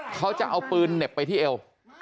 เขาจะเอาปืนเหน็บไปที่เอว